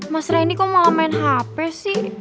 mas reni kok malah main hp sih